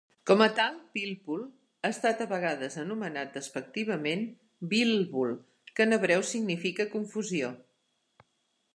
Com a tal, "pilpul" ha estat a vegades anomenat despectivament "bilbul", que en hebreu significa "confusió".